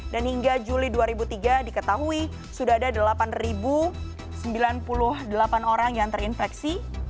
dan hingga juli dua ribu tiga diketahui sudah ada delapan sembilan puluh delapan orang yang terinfeksi